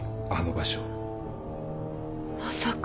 まさか。